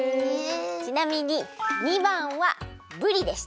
ちなみに２ばんはぶりでした！